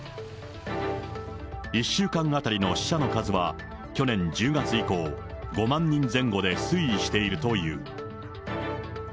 １週間当たりの死者の数は、去年１０月以降、５万人前後で推移しているという。